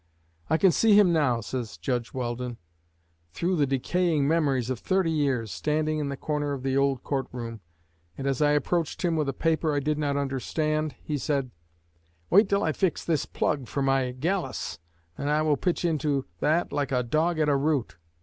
"I can see him now," says Judge Weldon, "through the decaying memories of thirty years, standing in the corner of the old court room, and as I approached him with a paper I did not understand, he said: 'Wait until I fix this plug for my gallus, and I will pitch into that like a dog at a root.'